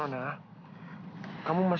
nona kamu masih lemas